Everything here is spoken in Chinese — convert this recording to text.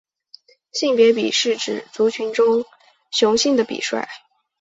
性别比是指族群中雄性的比率。